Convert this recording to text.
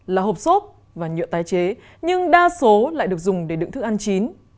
là hộp xốp và nhựa tái chế nhưng đa số lại được dùng để đựng thức ăn chín